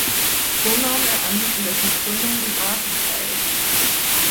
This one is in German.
So nahm er an dessen Krönung in Aachen teil.